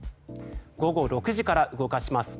午後６時から動かします。